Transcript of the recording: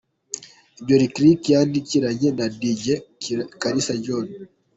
Ibyo Lick Lick yandikiranye na Dj-kalisa John.